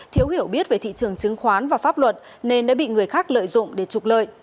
thiếu hiểu biết về thị trường chứng khoán và pháp luật nên đã bị người khác lợi dụng để trục lợi